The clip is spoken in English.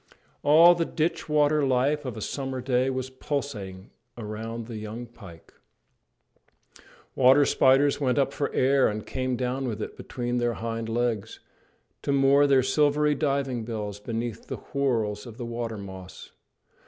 All the ditch water life of a summer day was pulsating around the young pike. Water spiders went up for air and came down with it between their hind legs, to moor their silvery diving bells beneath the whorls of the water moss.